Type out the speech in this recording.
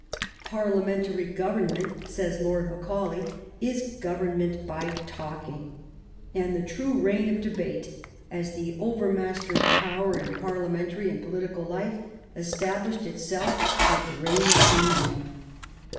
" Parliamentary govem ment,'' says Lord Macaulay, " is government by talk ing," and the true reign of debate as the over mastering power in parliamentary and political life established itself with the reign of Queen Anne.